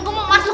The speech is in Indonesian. gue mau masuk